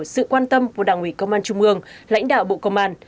sự quan tâm của đảng ủy công an trung ương lãnh đạo bộ công an